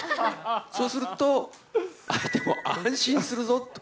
そうすると、相手も安心するぞと。